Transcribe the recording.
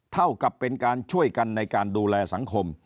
เท่ากับเป็นการช่วยกันในการดูแลสังคม